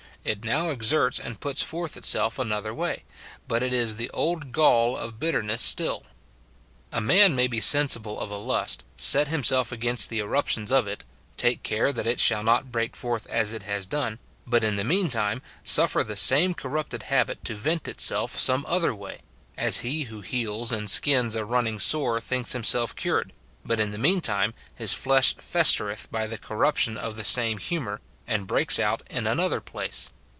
It now exerts and puts forth itself another way, but it is the old gall of bitterness still." A man may be sensible of a lust, set himself against the eruptions of it, take care that it shall not break forth as it has done, but in the IG* 186 MORTIFICATION OF meantime suffer the same corrupted habit to vent itself some other way ; as he who heals and skins a running sore thinks himself cured, but in the meantime his flesh festereth by the corruption of the same humour, and breaks out in another place.